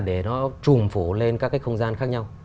để nó trùm phủ lên các cái không gian khác nhau